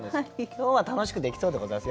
今日は楽しくできそうでございます。